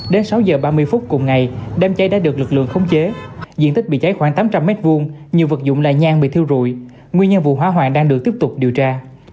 đến sáu giờ ba mươi phút cùng ngày đám cháy đã được lực lượng khống chế diện tích bị cháy khoảng tám trăm linh m hai nhiều vật dụng là nhan bị thiêu rụi nguyên nhân vụ hỏa hoạn đang được tiếp tục điều tra